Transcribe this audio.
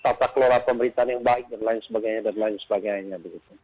ya patah kelola pemerintahan yang baik dan lain sebagainya